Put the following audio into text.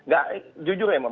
gak jujur ya mas